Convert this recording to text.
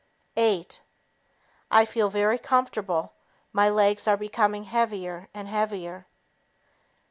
Eight ... I feel very comfortable; my legs are becoming heavier and heavier.